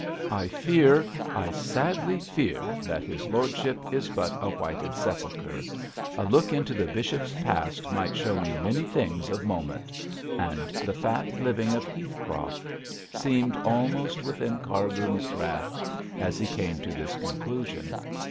'I fear, I sadly fear that his lordship is but a whited sepulchre. A look into the bishop's past might show me many things of moment,' and the fat living of Heathcroft seemed almost within Cargrim's grasp as he came to this conclusion.